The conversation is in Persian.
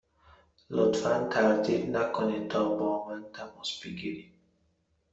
لطفا تردید نکنید تا با من تماس بگیرید.